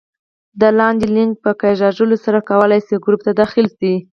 د لاندې لینک په کېکاږلو سره کولای شئ ګروپ ته داخل شئ